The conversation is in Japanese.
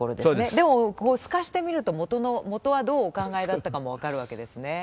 でも透かして見るともとはどうお考えだったかも分かるわけですね。